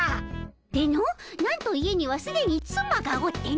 でのなんと家にはすでにつまがおっての。